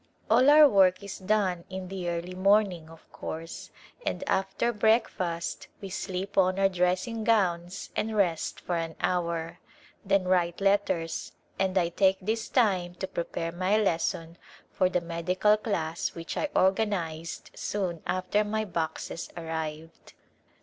All our work is done in the early morning, of course, and after breakfast we slip on our dressing gowns and rest for an hour, then write letters and I take this time to prepare my lesson for the medical class which I organized soon after my boxes arrived.